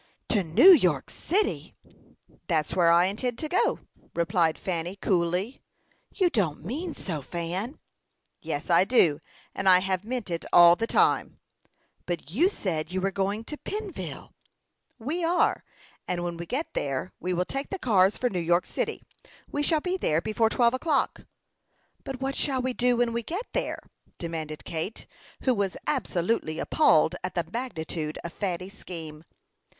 "To New York city!" "That's where I intend to go," replied Fanny, coolly. "You don't mean so, Fan?" "Yes, I do; and I have meant it all the time." "But you said we were going to Pennville." "We are; and when we get there we will take the cars for New York city. We shall be there before twelve o'clock." "But what shall we do when we get there?" demanded Kate, who was absolutely appalled at the magnitude of Fanny's scheme.